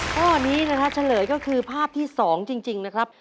ข้อนี้นะครับเฉลยก็คือภาพที่๒จริงนะครับ